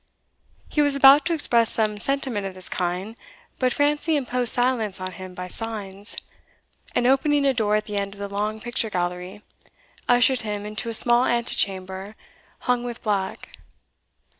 He was about to express some sentiment of this kind, but Francie imposed silence on him by signs, and opening a door at the end of the long picture gallery, ushered him into a small antechamber hung with black.